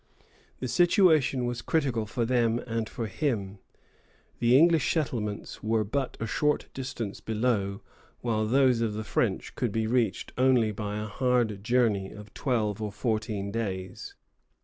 The situation was critical for them and for him. The English settlements were but a short distance below, while those of the French could be reached only by a hard journey of twelve or fourteen days.